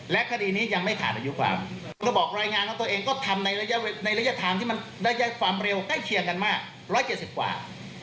และคดีนี้ยังไม่ขาดอายุความเราบอกรายงานว่าตัวเองก็ทำในระยะทางที่มันได้ความเร็วใกล้เคียงกันมาก๑๗๐กว่า